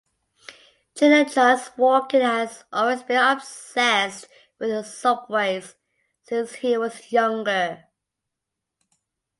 Chin enjoys walking and has always been "obsessed with subways" since he was younger.